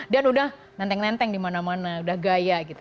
dan udah nenteng nenteng dimana mana udah gaya gitu